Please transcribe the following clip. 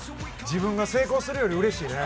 自分が成功するよりうれしいね。